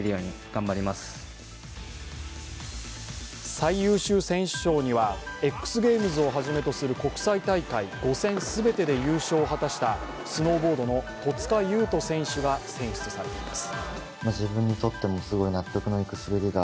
最優秀選手賞にはＸＧＡＭＥＳをはじめとする国際大会５戦全てで優勝を果たしたスノーボードの戸塚優斗選手が選出されています。